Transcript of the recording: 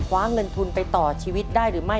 เงินทุนไปต่อชีวิตได้หรือไม่